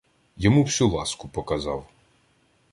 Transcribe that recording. Йому всю ласку показав.